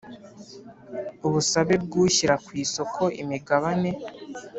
Ubusabe bw ushyira ku isoko imigabane